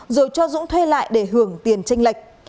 rồi cho dũng thuê lại để hưởng tiền tranh lệch